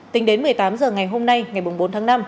tính đến một mươi tám h ngày hôm nay ngày bốn tháng năm